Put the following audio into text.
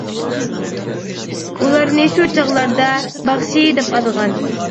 ئۇلارنى شۇ چاغلاردا «باخشى» دەپ ئاتىغان.